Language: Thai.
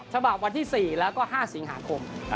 ฉบับวันที่๔แล้วก็๕สิงหาคม